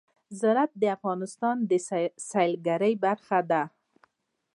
زراعت د افغانستان د سیلګرۍ برخه ده.